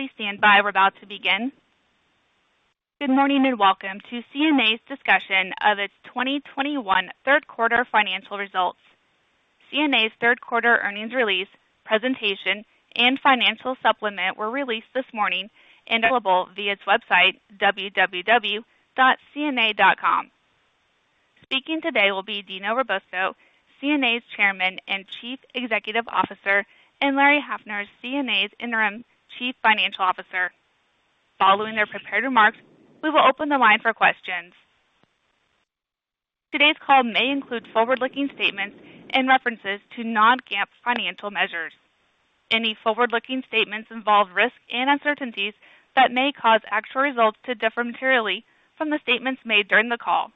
Please stand by. We're about to begin. Good morning, and welcome to CNA's discussion of its 2021 third quarter financial results. CNA's third quarter earnings release, presentation, and financial supplement were released this morning and available via its website, www.cna.com. Speaking today will be Dino Robusto, CNA's Chairman and Chief Executive Officer, and Larry Haefner, CNA's Interim Chief Financial Officer. Following their prepared remarks, we will open the line for questions. Today's call may include forward-looking statements and references to non-GAAP financial measures. Any forward-looking statements involve risks and uncertainties that may cause actual results to differ materially from the statements made during the call.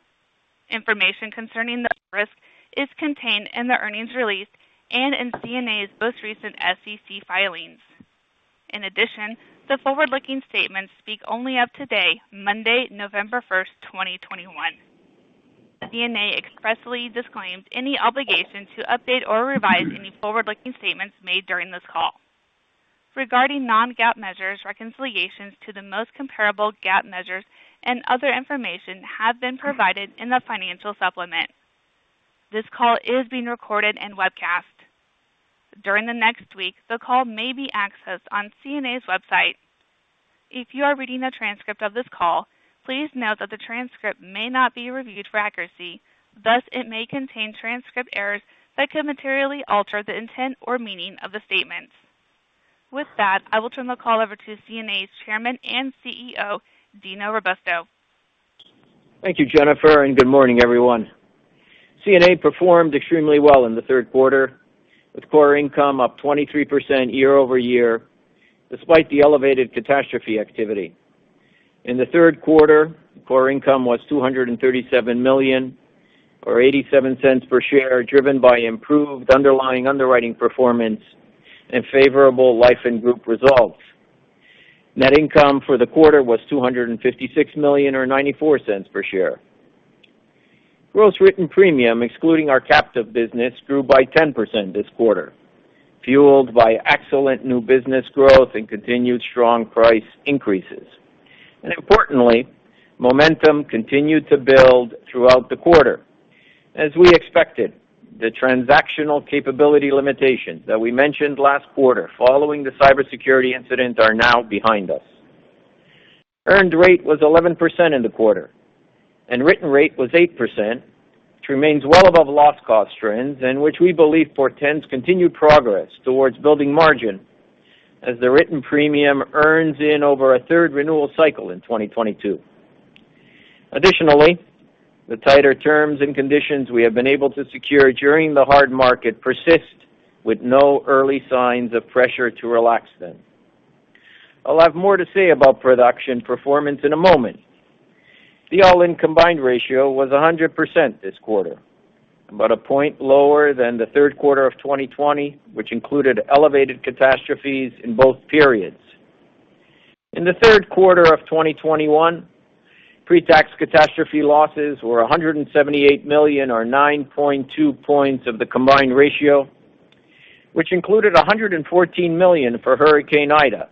Information concerning the risk is contained in the earnings release and in CNA's most recent SEC filings. In addition, the forward-looking statements speak only of today, Monday, November 1st, 2021. CNA expressly disclaims any obligation to update or revise any forward-looking statements made during this call. Regarding non-GAAP measures, reconciliations to the most comparable GAAP measures and other information have been provided in the financial supplement. This call is being recorded and webcast. During the next week, the call may be accessed on CNA's website. If you are reading a transcript of this call, please note that the transcript may not be reviewed for accuracy, thus it may contain transcript errors that could materially alter the intent or meaning of the statements. With that, I will turn the call over to CNA's Chairman and CEO, Dino Robusto. Thank you, Jennifer, and good morning, everyone. CNA performed extremely well in the third quarter, with core income up 23% year-over-year, despite the elevated catastrophe activity. In the third quarter, core income was $237 million or $0.87 per share, driven by improved underlying underwriting performance and favorable Life & Group results. Net income for the quarter was $256 million or $0.94 per share. Gross written premium, excluding our captive business, grew by 10% this quarter, fueled by excellent new business growth and continued strong price increases. Importantly, momentum continued to build throughout the quarter. As we expected, the transactional capability limitations that we mentioned last quarter following the cybersecurity incident are now behind us. Earned rate was 11% in the quarter, and written rate was 8%, which remains well above loss cost trends, and which we believe portends continued progress towards building margin as the written premium earns in over a third renewal cycle in 2022. Additionally, the tighter terms and conditions we have been able to secure during the hard market persist with no early signs of pressure to relax them. I'll have more to say about production performance in a moment. The all-in combined ratio was 100% this quarter, about one point lower than the third quarter of 2020, which included elevated catastrophes in both periods. In the third quarter of 2021, pre-tax catastrophe losses were $178 million or 9.2 points of the combined ratio, which included $114 million for Hurricane Ida.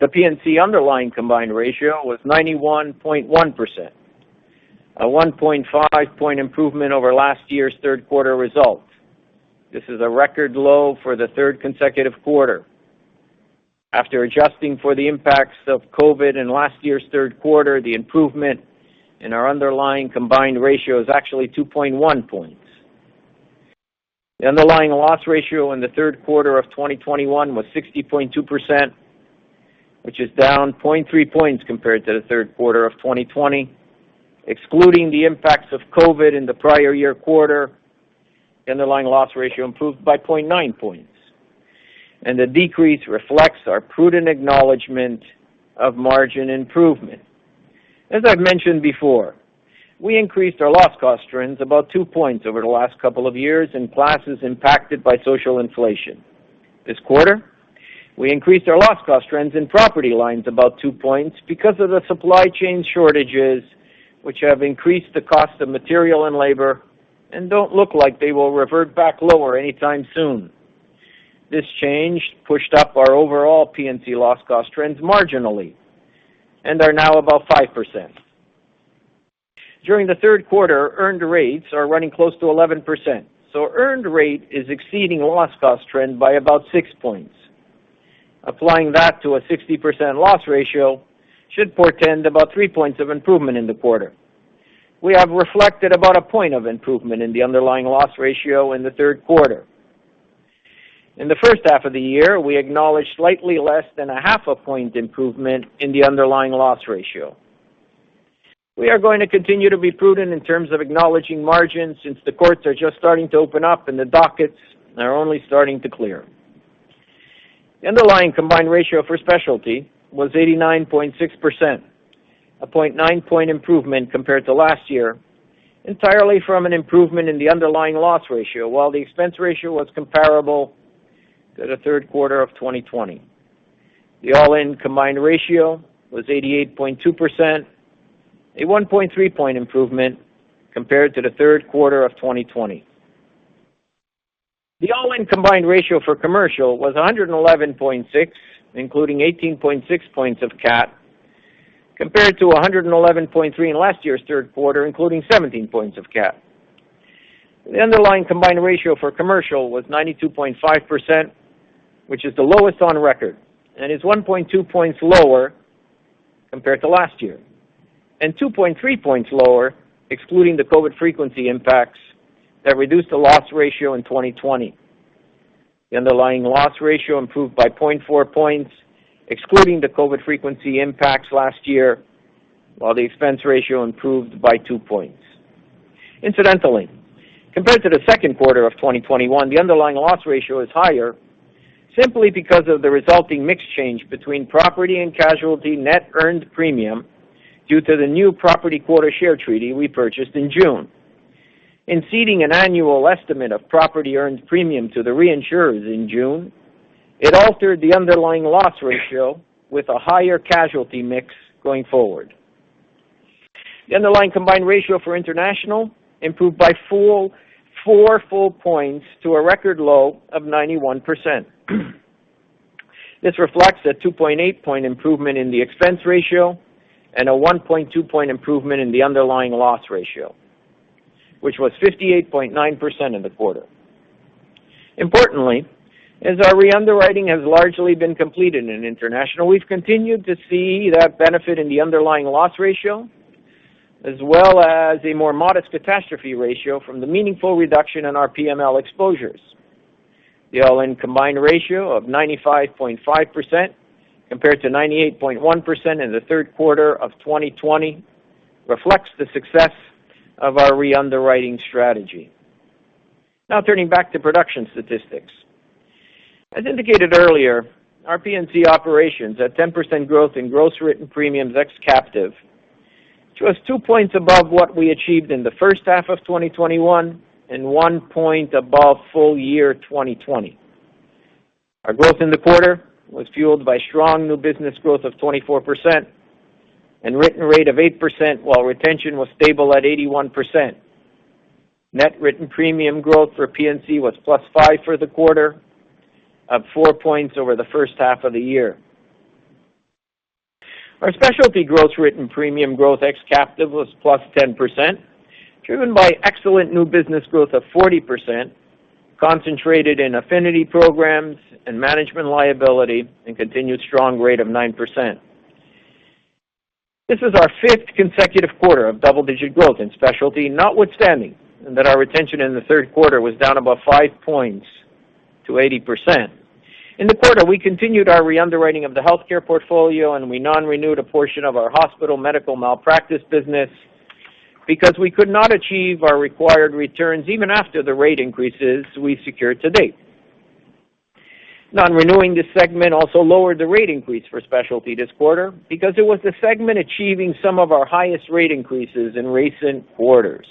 The P&C underlying combined ratio was 91.1%, a 1.5-point improvement over last year's third quarter results. This is a record low for the third consecutive quarter. After adjusting for the impacts of COVID in last year's third quarter, the improvement in our underlying combined ratio is actually 2.1 points. The underlying loss ratio in the third quarter of 2021 was 60.2%, which is down 0.3 points compared to the third quarter of 2020. Excluding the impacts of COVID in the prior year quarter, the underlying loss ratio improved by 0.9 points, and the decrease reflects our prudent acknowledgment of margin improvement. As I've mentioned before, we increased our loss cost trends about two points over the last couple of years in classes impacted by social inflation. This quarter, we increased our loss cost trends in property lines about two points because of the supply chain shortages, which have increased the cost of material and labor and don't look like they will revert back lower anytime soon. This change pushed up our overall P&C loss cost trends marginally and are now about 5%. During the third quarter, earned rates are running close to 11%, so earned rate is exceeding loss cost trend by about six points. Applying that to a 60% loss ratio should portend about three points of improvement in the quarter. We have reflected about one point of improvement in the underlying loss ratio in the third quarter. In the first half of the year, we acknowledged slightly less than half a point improvement in the underlying loss ratio. We are going to continue to be prudent in terms of acknowledging margins since the courts are just starting to open up and the dockets are only starting to clear. The underlying combined ratio for specialty was 89.6%, a 0.9 point improvement compared to last year, entirely from an improvement in the underlying loss ratio, while the expense ratio was comparable to the third quarter of 2020. The all-in combined ratio was 88.2%, a 1.3 point improvement compared to the third quarter of 2020. The all-in combined ratio for commercial was 111.6, including 18.6 points of CAT, compared to 111.3 in last year's third quarter, including 17 points of CAT. The underlying combined ratio for commercial was 92.5%, which is the lowest on record, and is 1.2 points lower compared to last year, and 2.3 points lower, excluding the COVID frequency impacts that reduced the loss ratio in 2020. The underlying loss ratio improved by 0.4 points, excluding the COVID frequency impacts last year, while the expense ratio improved by two points. Incidentally, compared to the second quarter of 2021, the underlying loss ratio is higher simply because of the resulting mix change between property and casualty net earned premium due to the new property quota share treaty we purchased in June. In ceding an annual estimate of property earned premium to the reinsurers in June, it altered the underlying loss ratio with a higher casualty mix going forward. The underlying combined ratio for international improved by four full points to a record low of 91%. This reflects a 2.8-point improvement in the expense ratio and a 1.2-point improvement in the underlying loss ratio, which was 58.9% in the quarter. Importantly, as our re-underwriting has largely been completed in international, we've continued to see that benefit in the underlying loss ratio, as well as a more modest catastrophe ratio from the meaningful reduction in our PML exposures. The all-in combined ratio of 95.5% compared to 98.1% in the third quarter of 2020 reflects the success of our re-underwriting strategy. Now turning back to production statistics. As indicated earlier, our P&C operations the 10% growth in gross written premiums ex-captive, thus two points above what we achieved in the first half of 2021 and one point above full year 2020. Our growth in the quarter was fueled by strong new business growth of 24% and written rate of 8%, while retention was stable at 81%. Net written premium growth for P&C was +5% for the quarter, four points over the first half of the year. Our specialty gross written premium growth ex captive was +10%, driven by excellent new business growth of 40%, concentrated in affinity programs and management liability, and continued strong rate of 9%. This is our fifth consecutive quarter of double-digit growth in Specialty, notwithstanding that our retention in the third quarter was down about five points to 80%. In the quarter, we continued our re-underwriting of the healthcare portfolio, and we non-renewed a portion of our hospital medical malpractice business because we could not achieve our required returns even after the rate increases we secured to date. Non-renewing this segment also lowered the rate increase for Specialty this quarter because it was the segment achieving some of our highest rate increases in recent quarters.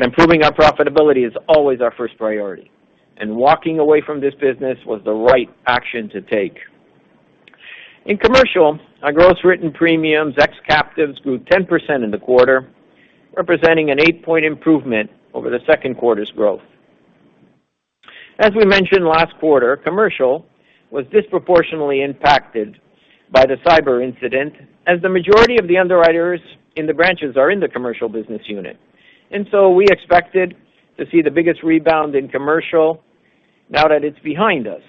Improving our profitability is always our first priority, and walking away from this business was the right action to take. In Commercial, our gross written premiums, ex captives, grew 10% in the quarter, representing an eight-point improvement over the second quarter's growth. As we mentioned last quarter, commercial was disproportionately impacted by the cyber incident, as the majority of the underwriters in the branches are in the commercial business unit. We expected to see the biggest rebound in commercial now that it's behind us,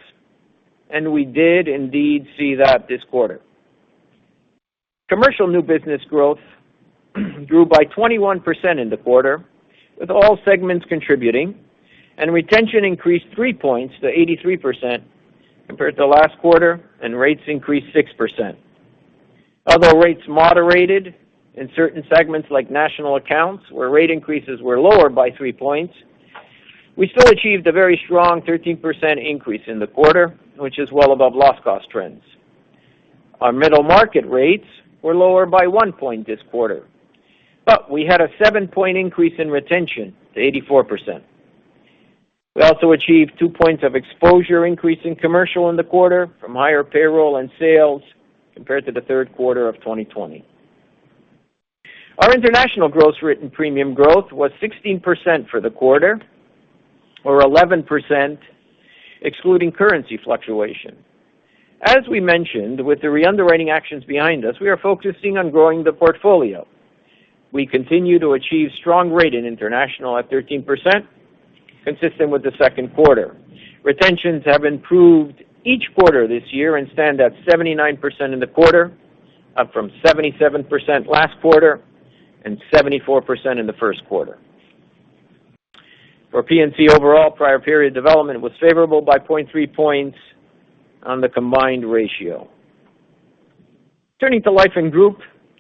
and we did indeed see that this quarter. Commercial new business growth grew by 21% in the quarter, with all segments contributing, and retention increased three points to 83% compared to last quarter, and rates increased 6%. Although rates moderated in certain segments like national accounts, where rate increases were lower by three points, we still achieved a very strong 13% increase in the quarter, which is well above loss cost trends. Our middle market rates were lower by one point this quarter, but we had a seven-point increase in retention to 84%. We also achieved two points of exposure increase in commercial in the quarter from higher payroll and sales compared to the third quarter of 2020. Our international gross written premium growth was 16% for the quarter, or 11% excluding currency fluctuation. As we mentioned, with the re-underwriting actions behind us, we are focusing on growing the portfolio. We continue to achieve strong rate in international at 13%, consistent with the second quarter. Retentions have improved each quarter this year and stand at 79% in the quarter, up from 77% last quarter and 74% in the first quarter. For P&C overall, prior period development was favorable by 0.3 points on the combined ratio. Turning to Life & Group,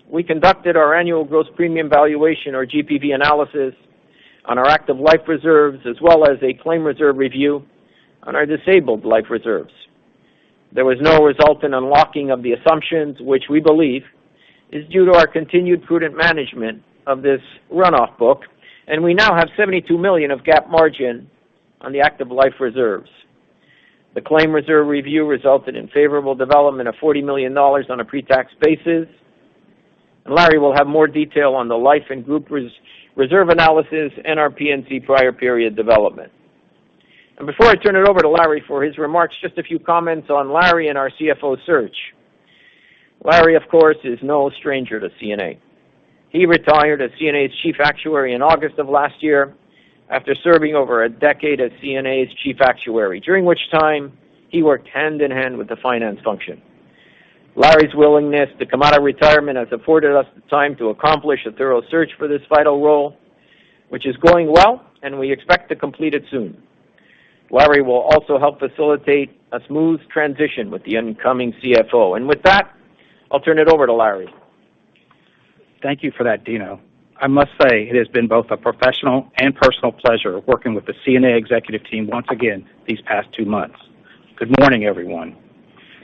we conducted our annual gross premium valuation or GPV analysis on our active life reserves, as well as a claim reserve review on our disabled life reserves. There was no result in unlocking of the assumptions which we believe is due to our continued prudent management of this runoff book, and we now have $72 million of GAAP margin on the active life reserves. The claim reserve review resulted in favorable development of $40 million on a pre-tax basis. Larry will have more detail on the life and group reserve analysis and our P&C prior period development. Before I turn it over to Larry for his remarks, just a few comments on Larry and our CFO search. Larry, of course, is no stranger to CNA. He retired as CNA's chief actuary in August of last year after serving over a decade as CNA's chief actuary, during which time he worked hand in hand with the finance function. Larry's willingness to come out of retirement has afforded us the time to accomplish a thorough search for this vital role, which is going well, and we expect to complete it soon. Larry will also help facilitate a smooth transition with the incoming CFO. With that, I'll turn it over to Larry. Thank you for that, Dino. I must say it has been both a professional and personal pleasure working with the CNA executive team once again these past two months. Good morning, everyone.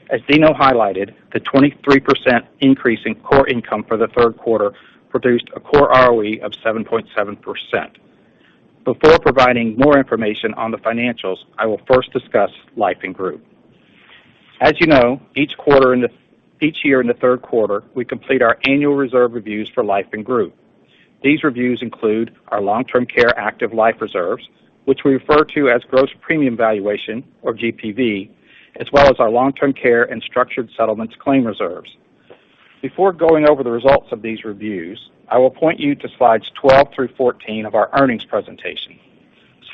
As Dino highlighted, the 23% increase in core income for the third quarter produced a core ROE of 7.7%. Before providing more information on the financials, I will first discuss Life & Group. As you know, each year in the third quarter, we complete our annual reserve reviews for Life & Group. These reviews include our long-term care active life reserves, which we refer to as gross premium valuation or GPV, as well as our long-term care and structured settlements claim reserves. Before going over the results of these reviews, I will point you to slides 12 through 14 of our earnings presentation.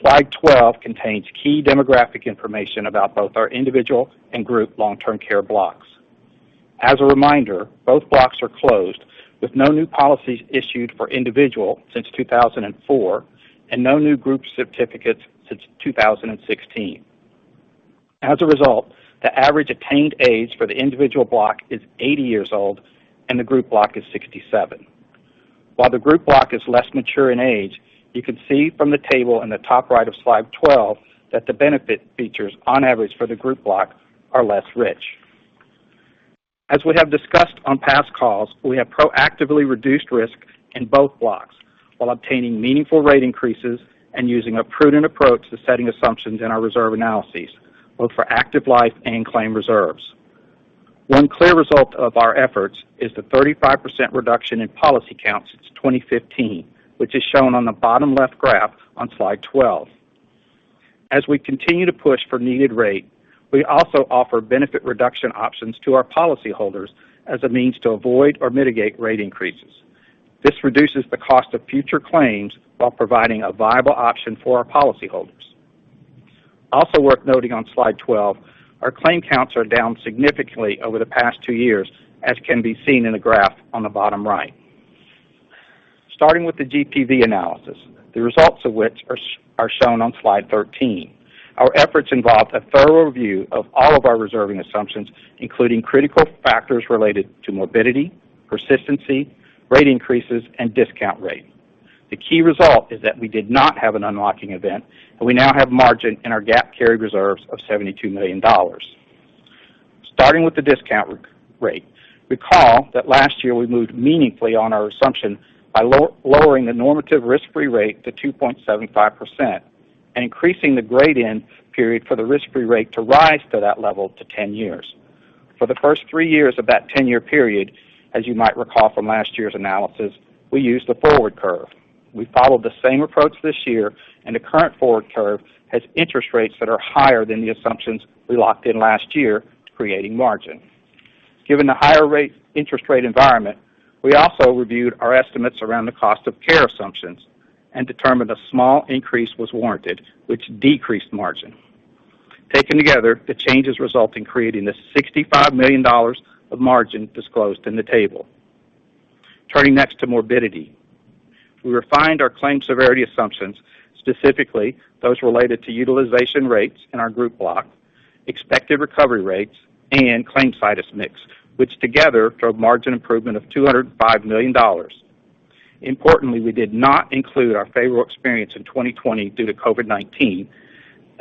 Slide 12 contains key demographic information about both our individual and group long-term care blocks. As a reminder, both blocks are closed, with no new policies issued for individual since 2004, and no new group certificates since 2016. As a result, the average attained age for the individual block is 80 years old, and the group block is 67. While the group block is less mature in age, you can see from the table in the top right of slide 12 that the benefit features on average for the group block are less rich. As we have discussed on past calls, we have proactively reduced risk in both blocks while obtaining meaningful rate increases and using a prudent approach to setting assumptions in our reserve analyses, both for active life and claim reserves. One clear result of our efforts is the 35% reduction in policy counts since 2015, which is shown on the bottom left graph on slide 12. As we continue to push for needed rate, we also offer benefit reduction options to our policyholders as a means to avoid or mitigate rate increases. This reduces the cost of future claims while providing a viable option for our policyholders. Also worth noting on slide 12, our claim counts are down significantly over the past two years, as can be seen in the graph on the bottom right. Starting with the GPV analysis, the results of which are shown on slide 13. Our efforts involved a thorough review of all of our reserving assumptions, including critical factors related to morbidity, persistency, rate increases, and discount rate. The key result is that we did not have an unlocking event, and we now have margin in our GAAP carried reserves of $72 million. Starting with the discount rate, recall that last year we moved meaningfully on our assumption by lowering the normative risk-free rate to 2.75% and increasing the gradient period for the risk-free rate to rise to that level to 10 years. For the first three years of that 10-year period, as you might recall from last year's analysis, we used the forward curve. We followed the same approach this year, and the current forward curve has interest rates that are higher than the assumptions we locked in last year, creating margin. Given the higher interest rate environment, we also reviewed our estimates around the cost of care assumptions and determined a small increase was warranted, which decreased margin. Taken together, the changes result in creating the $65 million of margin disclosed in the table. Turning next to morbidity. We refined our claim severity assumptions, specifically those related to utilization rates in our group block, expected recovery rates, and claim situs mix, which together drove margin improvement of $205 million. Importantly, we did not include our favorable experience in 2020 due to COVID-19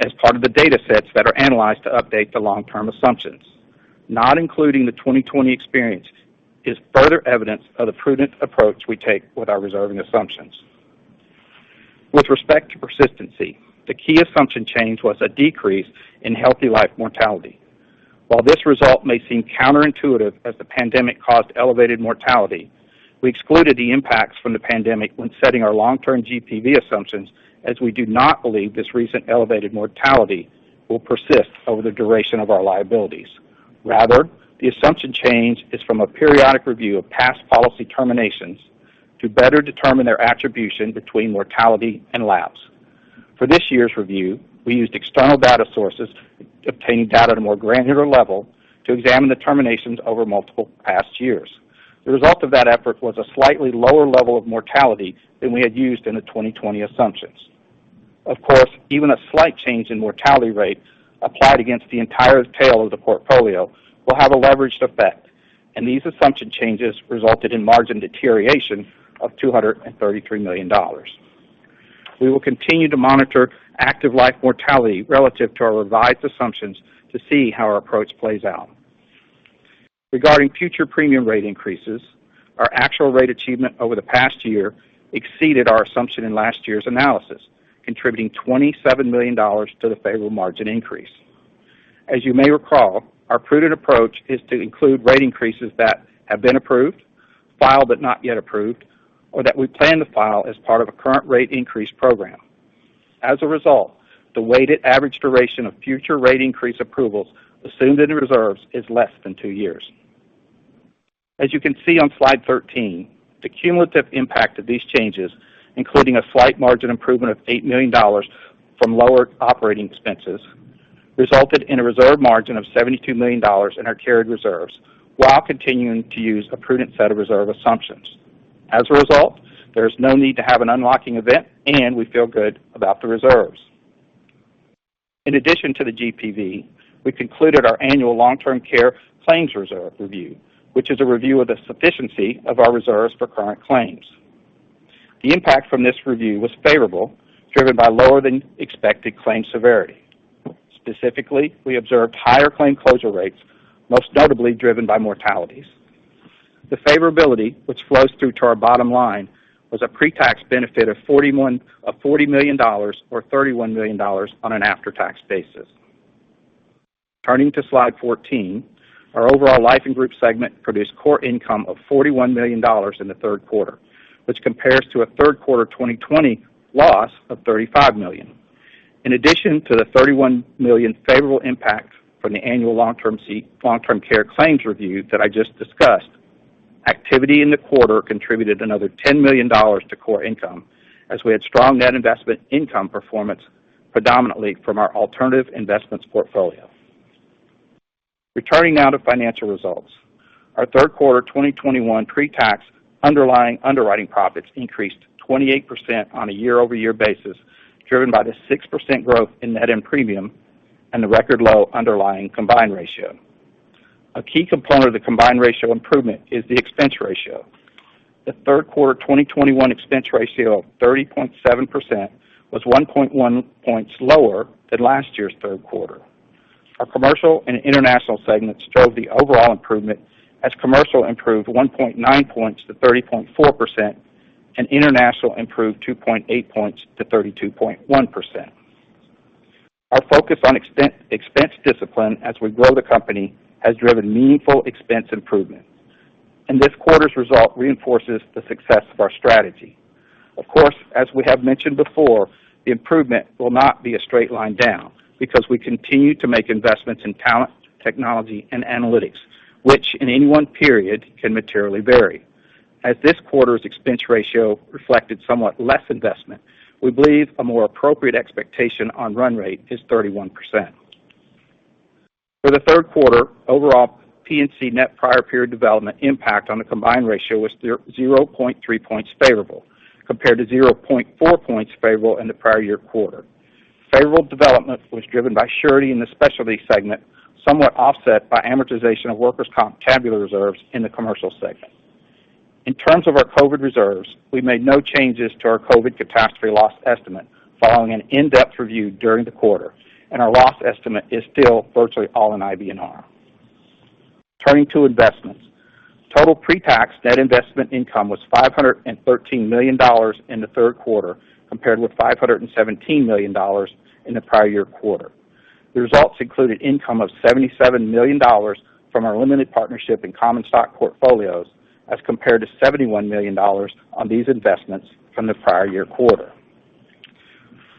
as part of the datasets that are analyzed to update the long-term assumptions. Not including the 2020 experience is further evidence of the prudent approach we take with our reserving assumptions. With respect to persistency, the key assumption change was a decrease in healthy life mortality. While this result may seem counterintuitive as the pandemic caused elevated mortality, we excluded the impacts from the pandemic when setting our long-term GPV assumptions, as we do not believe this recent elevated mortality will persist over the duration of our liabilities. Rather, the assumption change is from a periodic review of past policy terminations to better determine their attribution between mortality and lapse. For this year's review, we used external data sources to obtain data at a more granular level to examine the terminations over multiple past years. The result of that effort was a slightly lower level of mortality than we had used in the 2020 assumptions. Of course, even a slight change in mortality rate applied against the entire tail of the portfolio will have a leveraged effect, and these assumption changes resulted in margin deterioration of $233 million. We will continue to monitor active life mortality relative to our revised assumptions to see how our approach plays out. Regarding future premium rate increases, our actual rate achievement over the past year exceeded our assumption in last year's analysis, contributing $27 million to the favorable margin increase. As you may recall, our prudent approach is to include rate increases that have been approved, filed, but not yet approved, or that we plan to file as part of a current rate increase program. As a result, the weighted average duration of future rate increase approvals assumed in the reserves is less than two years. As you can see on slide 13, the cumulative impact of these changes, including a slight margin improvement of $80 million from lower operating expenses, resulted in a reserve margin of $72 million in our carried reserves while continuing to use a prudent set of reserve assumptions. As a result, there's no need to have an unlocking event, and we feel good about the reserves. In addition to the GPV, we concluded our annual long-term care claims reserve review, which is a review of the sufficiency of our reserves for current claims. The impact from this review was favorable, driven by lower than expected claims severity. Specifically, we observed higher claim closure rates, most notably driven by mortalities. The favorability, which flows through to our bottom line, was a pre-tax benefit of $40 million or $31 million on an after-tax basis. Turning to slide 14. Our overall Life & Group segment produced core income of $41 million in the third quarter, which compares to a third quarter of 2020 loss of $35 million. In addition to the $31 million favorable impact from the annual long-term care claims review that I just discussed, activity in the quarter contributed another $10 million to core income as we had strong net investment income performance, predominantly from our alternative investments portfolio. Returning now to financial results. Our third quarter of 2021 pre-tax underlying underwriting profits increased 28% on a year-over-year basis, driven by the 6% growth in net earned premium and the record low underlying combined ratio. A key component of the combined ratio improvement is the expense ratio. The third quarter of 2021 expense ratio of 30.7% was 1.1 points lower than last year's third quarter. Our commercial and international segments drove the overall improvement as commercial improved 1.9 points to 30.4%, and international improved 2.8 points to 32.1%. Our focus on expense discipline as we grow the company has driven meaningful expense improvement, and this quarter's result reinforces the success of our strategy. Of course, as we have mentioned before, the improvement will not be a straight line down because we continue to make investments in talent, technology, and analytics, which in any one period can materially vary. As this quarter's expense ratio reflected somewhat less investment, we believe a more appropriate expectation on run rate is 31%. For the third quarter, overall P&C net prior period development impact on the combined ratio was 0.3 points favorable compared to 0.4 points favorable in the prior year quarter. Favorable development was driven by surety in the specialty segment, somewhat offset by amortization of workers' comp tabular reserves in the commercial segment. In terms of our COVID reserves, we made no changes to our COVID catastrophe loss estimate following an in-depth review during the quarter, and our loss estimate is still virtually all in IBNR. Turning to investments. Total pre-tax net investment income was $513 million in the third quarter, compared with $517 million in the prior year quarter. The results included income of $77 million from our limited partnership in common stock portfolios as compared to $71 million on these investments from the prior year quarter.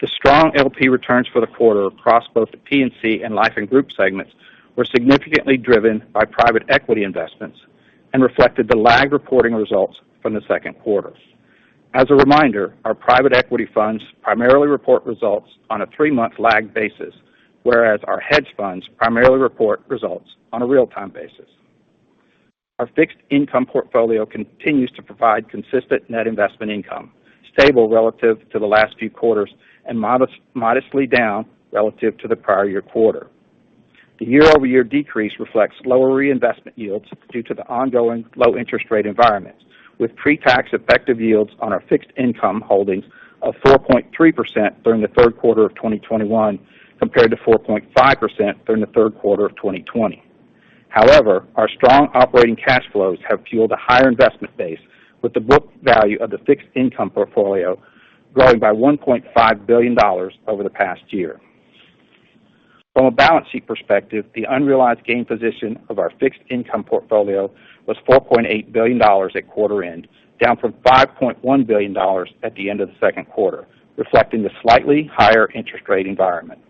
The strong LP returns for the quarter across both the P&C and Life & Group segments were significantly driven by private equity investments and reflected the lag reporting results from the second quarter. As a reminder, our private equity funds primarily report results on a three-month lag basis, whereas our hedge funds primarily report results on a real-time basis. Our fixed income portfolio continues to provide consistent net investment income, stable relative to the last few quarters and modestly down relative to the prior year quarter. The year-over-year decrease reflects lower reinvestment yields due to the ongoing low interest rate environment, with pre-tax effective yields on our fixed income holdings of 4.3% during the third quarter of 2021 compared to 4.5% during the third quarter of 2020. However, our strong operating cash flows have fueled a higher investment base, with the book value of the fixed income portfolio growing by $1.5 billion over the past year. From a balance sheet perspective, the unrealized gain position of our fixed income portfolio was $4.8 billion at quarter end, down from $5.1 billion at the end of the second quarter, reflecting the slightly higher interest rate environment.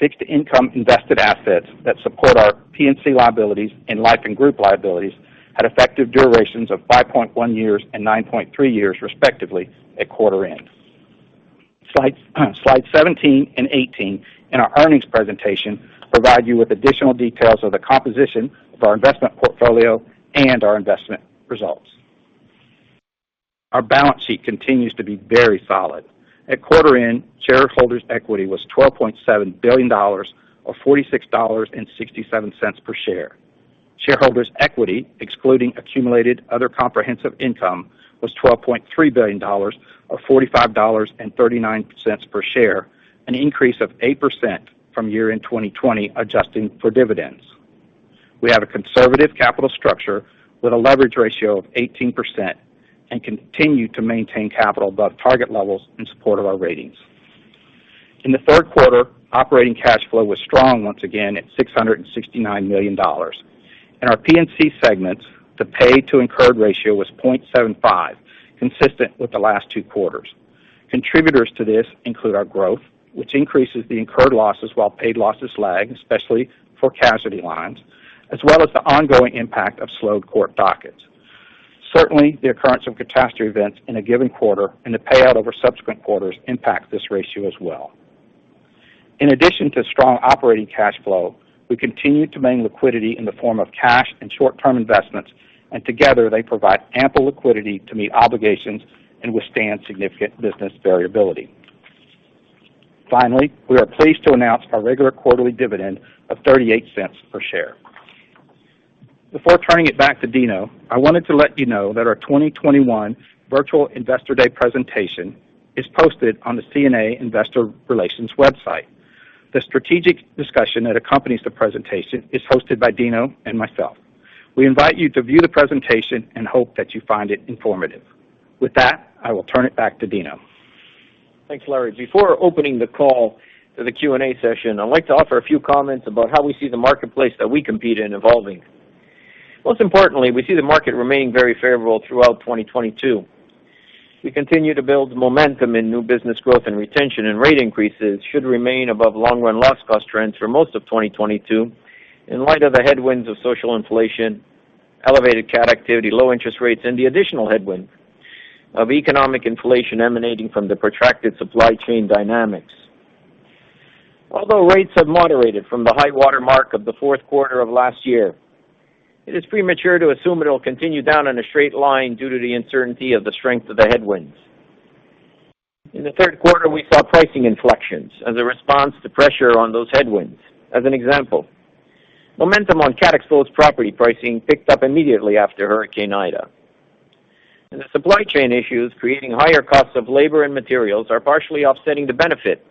Fixed income invested assets that support our P&C liabilities and Life & Group liabilities had effective durations of 5.1 years and 9.3 years, respectively, at quarter-end. Slides 17 and 18 in our earnings presentation provide you with additional details of the composition of our investment portfolio and our investment results. Our balance sheet continues to be very solid. At quarter-end, shareholders' equity was $12.7 billion or $46.67 per share. Shareholders' equity, excluding accumulated other comprehensive income, was $12.3 billion or $45.39 per share, an increase of 8% from year-end 2020 adjusting for dividends. We have a conservative capital structure with a leverage ratio of 18% and continue to maintain capital above target levels in support of our ratings. In the third quarter, operating cash flow was strong once again at $669 million. In our P&C segments, the paid to incurred ratio was 0.75, consistent with the last two quarters. Contributors to this include our growth, which increases the incurred losses while paid losses lag, especially for casualty lines, as well as the ongoing impact of slowed court dockets. Certainly, the occurrence of catastrophe events in a given quarter and the payout over subsequent quarters impact this ratio as well. In addition to strong operating cash flow, we continue to maintain liquidity in the form of cash and short-term investments, and together, they provide ample liquidity to meet obligations and withstand significant business variability. Finally, we are pleased to announce our regular quarterly dividend of $0.38 per share. Before turning it back to Dino, I wanted to let you know that our 2021 virtual Investor Day presentation is posted on the CNA investor relations website. The strategic discussion that accompanies the presentation is hosted by Dino and myself. We invite you to view the presentation and hope that you find it informative. With that, I will turn it back to Dino. Thanks, Larry. Before opening the call to the Q&A session, I'd like to offer a few comments about how we see the marketplace that we compete in evolving. Most importantly, we see the market remaining very favorable throughout 2022. We continue to build momentum in new business growth and retention, and rate increases should remain above long-run loss cost trends for most of 2022 in light of the headwinds of social inflation, elevated CAT activity, low interest rates, and the additional headwind of economic inflation emanating from the protracted supply chain dynamics. Although rates have moderated from the high-water mark of the fourth quarter of last year, it is premature to assume it'll continue down in a straight line due to the uncertainty of the strength of the headwinds. In the third quarter, we saw pricing inflections as a response to pressure on those headwinds. As an example, momentum on CAT-exposed property pricing picked up immediately after Hurricane Ida. The supply chain issues creating higher costs of labor and materials are partially offsetting the benefit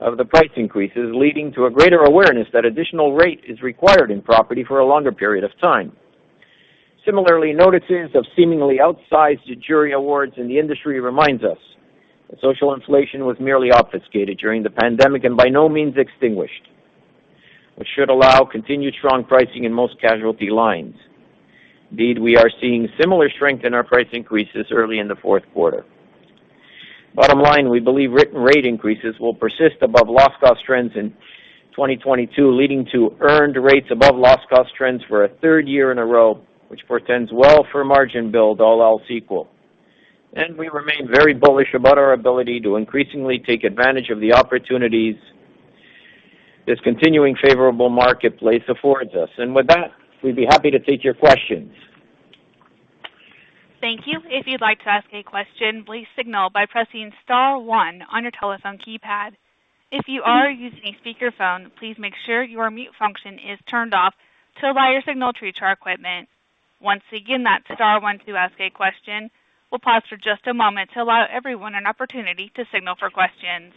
of the price increases, leading to a greater awareness that additional rate is required in property for a longer period of time. Similarly, notices of seemingly outsized jury awards in the industry reminds us that social inflation was merely obfuscated during the pandemic and by no means extinguished, which should allow continued strong pricing in most casualty lines. Indeed, we are seeing similar strength in our price increases early in the fourth quarter. Bottom line, we believe written rate increases will persist above loss cost trends in 2022, leading to earned rates above loss cost trends for a third year in a row, which portends well for margin build, all else equal. We remain very bullish about our ability to increasingly take advantage of the opportunities this continuing favorable marketplace affords us. With that, we'd be happy to take your questions. Thank you. If you'd like to ask a question, please signal by pressing star one on your telephone keypad. If you are using a speakerphone, please make sure your mute function is turned off to allow your signal to reach our equipment. Once again, that's star one to ask a question. We'll pause for just a moment to allow everyone an opportunity to signal for questions.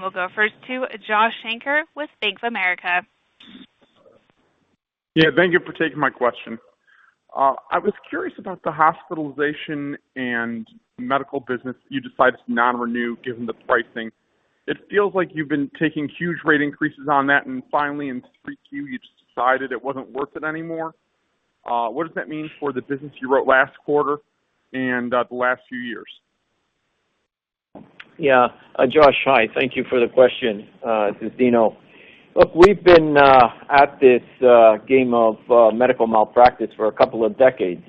We'll go first to Josh Shanker with Bank of America. Yeah, thank you for taking my question. I was curious about the hospitalization and medical business you decided to non-renew given the pricing. It feels like you've been taking huge rate increases on that, and finally in 3Q, you just decided it wasn't worth it anymore. What does that mean for the business you wrote last quarter and the last few years? Yeah, Josh, hi. Thank you for the question. This is Dino. Look, we've been at this game of medical malpractice for a couple of decades.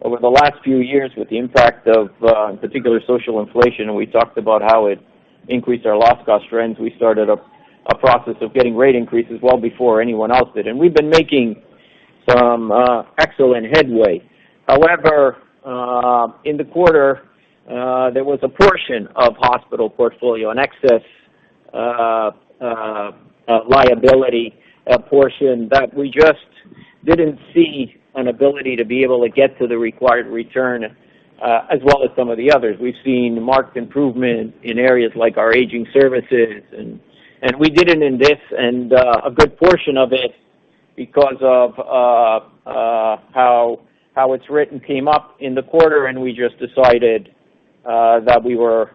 Over the last few years, with the impact of, in particular, social inflation, and we talked about how it increased our loss cost trends, we started a process of getting rate increases well before anyone else did, and we've been making some excellent headway. However, in the quarter, there was a portion of hospital portfolio, an excess liability portion that we just didn't see an ability to be able to get to the required return, as well as some of the others. We've seen marked improvement in areas like our aging services and a good portion of it, because of how it's written, came up in the quarter, and we just decided that we were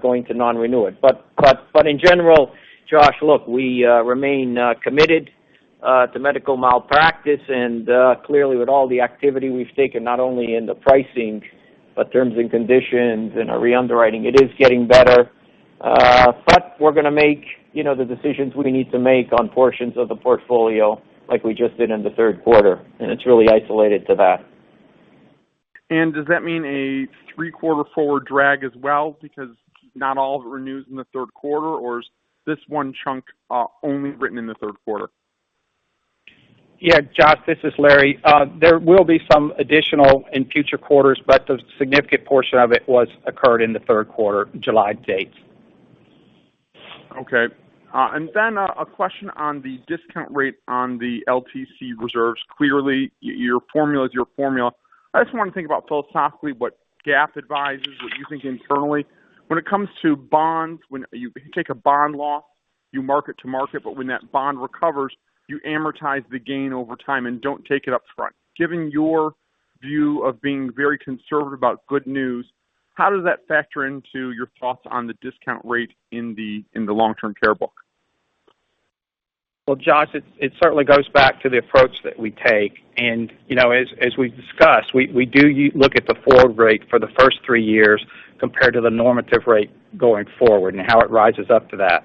going to non-renew it. In general, Josh, look, we remain committed to medical malpractice, and clearly with all the activity we've taken, not only in the pricing but terms and conditions and our re-underwriting, it is getting better. We're gonna make, you know, the decisions we need to make on portions of the portfolio like we just did in the third quarter, and it's really isolated to that. Does that mean a three-quarter forward drag as well because not all of it renews in the third quarter, or is this one chunk only written in the third quarter? Yeah, Josh, this is Larry. There will be some additional in future quarters, but the significant portion of it was occurred in the third quarter, July dates. Okay. A question on the discount rate on the LTC reserves. Clearly, your formula is your formula. I just want to think about philosophically what GAAP advises, what you think internally. When it comes to bonds, when you take a bond loss, you mark it to market, but when that bond recovers, you amortize the gain over time and don't take it up front. Given your view of being very conservative about good news, how does that factor into your thoughts on the discount rate in the long-term care book? Well, Josh, it certainly goes back to the approach that we take. You know, as we've discussed, we do look at the forward rate for the first three years compared to the normative rate going forward and how it rises up to that.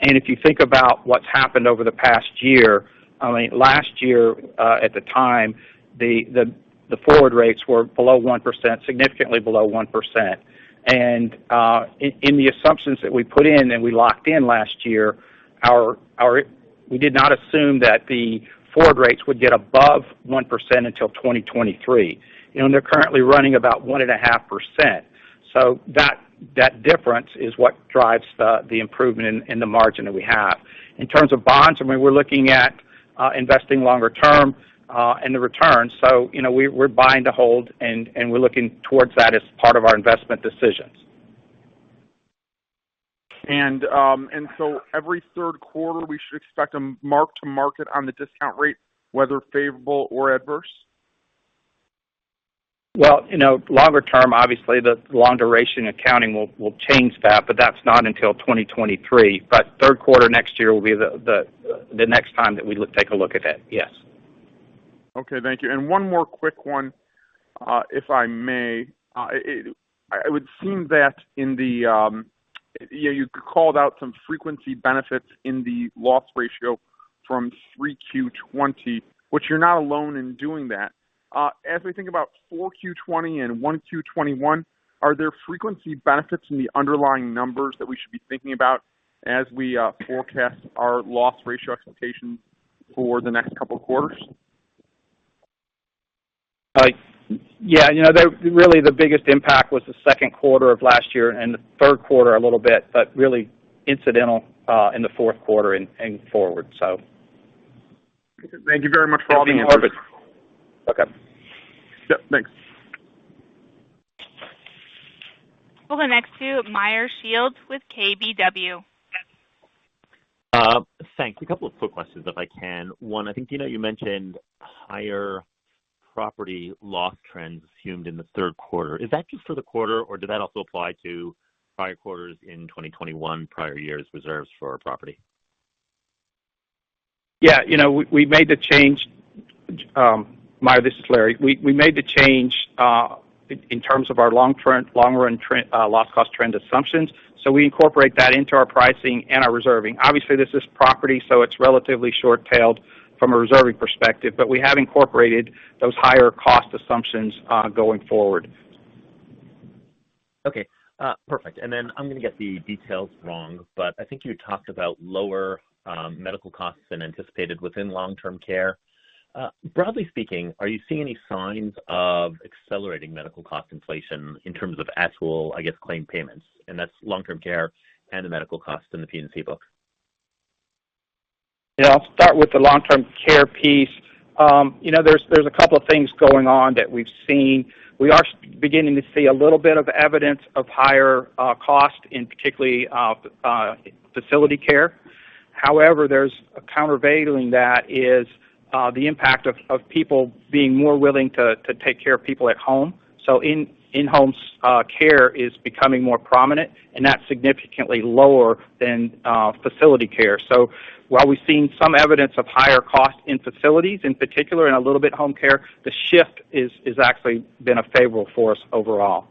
If you think about what's happened over the past year, I mean, last year, at the time, the forward rates were below 1%, significantly below 1%. In the assumptions that we put in and we locked in last year, we did not assume that the forward rates would get above 1% until 2023. You know, they're currently running about 1.5%. That difference is what drives the improvement in the margin that we have. In terms of bonds, I mean, we're looking at investing longer term and the returns. You know, we're buying to hold and we're looking towards that as part of our investment decisions. Every third quarter, we should expect a mark to market on the discount rate, whether favorable or adverse? Well, you know, longer term, obviously, the long duration accounting will change that, but that's not until 2023. Third quarter next year will be the next time that we take a look at it. Yes. Okay, thank you. One more quick one, if I may. It would seem that you called out some frequency benefits in the loss ratio from 3Q 2020, which you're not alone in doing that. As we think about 4Q 2020 and 1Q 2021, are there frequency benefits in the underlying numbers that we should be thinking about as we forecast our loss ratio expectations for the next couple of quarters? Yeah, you know, really the biggest impact was the second quarter of last year and the third quarter a little bit, but really incidental in the fourth quarter and forward, so. Thank you very much for all the hard work. Okay. Yep, thanks. We'll go next to Meyer Shields with KBW. Thanks. A couple of quick questions, if I can. One, I think, you know, you mentioned higher property loss trends assumed in the third quarter. Is that just for the quarter, or did that also apply to prior quarters in 2021, prior years reserves for our property? Yeah, you know, we made the change, Meyer, this is Larry. We made the change in terms of our long-run trend loss cost trend assumptions. We incorporate that into our pricing and our reserving. Obviously, this is property, so it's relatively short-tailed from a reserving perspective, but we have incorporated those higher cost assumptions going forward. Okay, perfect. I'm gonna get the details wrong, but I think you talked about lower medical costs than anticipated within long-term care. Broadly speaking, are you seeing any signs of accelerating medical cost inflation in terms of actual, I guess, claim payments? And that's long-term care and the medical costs in the P&C book. Yeah, I'll start with the long-term care piece. You know, there's a couple of things going on that we've seen. We are beginning to see a little bit of evidence of higher cost, particularly in facility care. However, countervailing that is the impact of people being more willing to take care of people at home. In-home care is becoming more prominent, and that's significantly lower than facility care. While we've seen some evidence of higher costs in facilities in particular, and a little bit in home care, the shift has actually been favorable for us overall.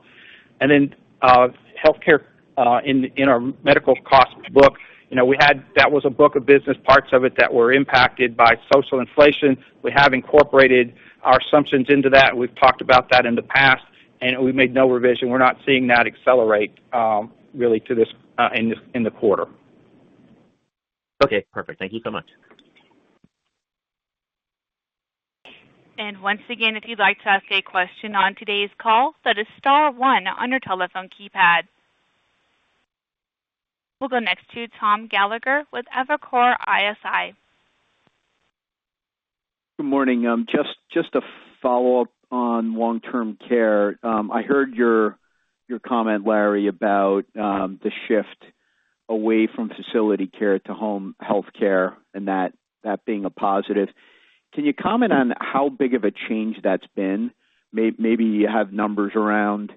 Healthcare in our medical costs book, you know. We had that. That was a book of business, parts of it that were impacted by social inflation. We have incorporated our assumptions into that. We've talked about that in the past, and we made no revision. We're not seeing that accelerate really in this quarter. Okay, perfect. Thank you so much. Once again, if you'd like to ask a question on today's call, that is star one on your telephone keypad. We'll go next to Tom Gallagher with Evercore ISI. Good morning. Just a follow-up on long-term care. I heard your comment, Larry, about the shift away from facility care to home health care and that being a positive. Can you comment on how big of a change that's been? Maybe you have numbers around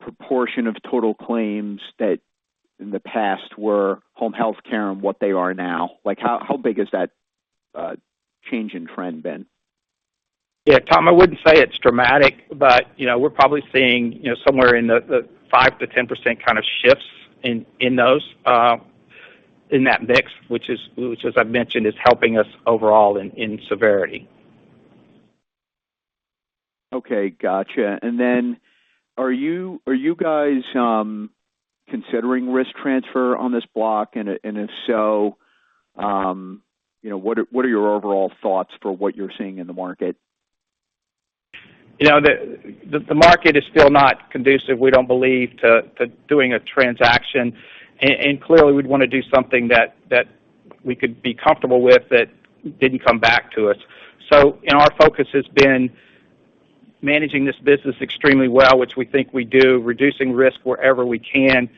proportion of total claims that in the past were home health care and what they are now. Like, how big has that change in trend been? Yeah, Tom, I wouldn't say it's dramatic, but you know, we're probably seeing you know, somewhere in the 5%-10% kind of shifts in those in that mix, which as I've mentioned is helping us overall in severity. Okay, gotcha. Then are you guys considering risk transfer on this block? If so, you know, what are your overall thoughts for what you're seeing in the market? You know, the market is still not conducive, we don't believe to doing a transaction. Clearly we'd want to do something that we could be comfortable with that didn't come back to us. Our focus has been managing this business extremely well, which we think we do, reducing risk wherever we can.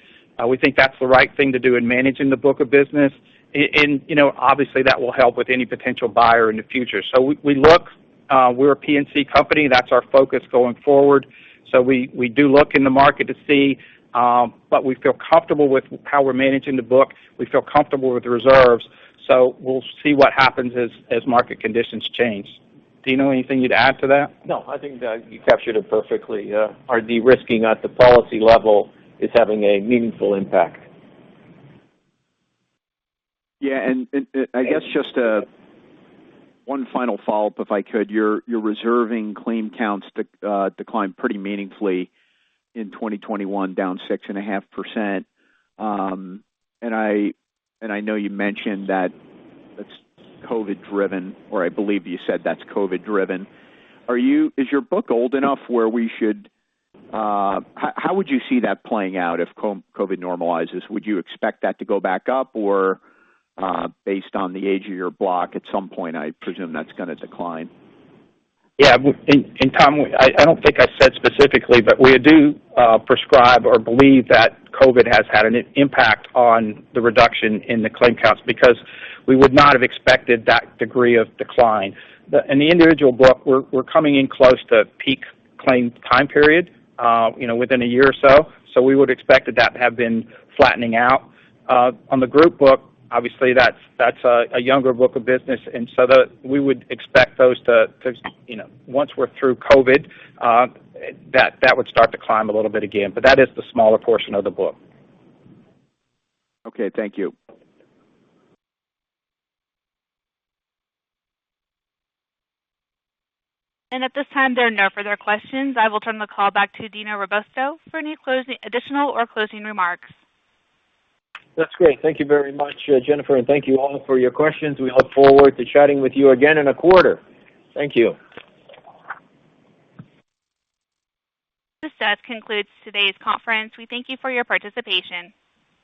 We think that's the right thing to do in managing the book of business. You know, obviously that will help with any potential buyer in the future. We look, we're a P&C company. That's our focus going forward. We do look in the market to see, but we feel comfortable with how we're managing the book. We feel comfortable with the reserves, we'll see what happens as market conditions change. Dino, anything you'd add to that? No, I think that you captured it perfectly. Our de-risking at the policy level is having a meaningful impact. Yeah. I guess just one final follow-up, if I could. Your reserving claim counts declined pretty meaningfully in 2021, down 6.5%. I know you mentioned that that's COVID driven or I believe you said that's COVID driven. Is your book old enough where we should, how would you see that playing out if COVID normalizes? Would you expect that to go back up or, based on the age of your block, at some point? I presume that's going to decline. Yeah. Tom, I don't think I said specifically, but we do prescribe or believe that COVID has had an impact on the reduction in the claim counts because we would not have expected that degree of decline. In the individual book, we're coming in close to peak claim time period, you know, within a year or so. We would expect that to have been flattening out. On the group book, obviously that's a younger book of business, and so we would expect those to, you know, once we're through COVID, that would start to climb a little bit again. That is the smaller portion of the book. Okay. Thank you. At this time, there are no further questions. I will turn the call back to Dino Robusto for any additional or closing remarks. That's great. Thank you very much, Jennifer, and thank you all for your questions. We look forward to chatting with you again in a quarter. Thank you. This concludes today's conference. We thank you for your participation.